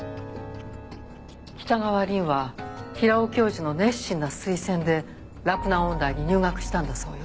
北川凛は平尾教授の熱心な推薦で洛南音大に入学したんだそうよ。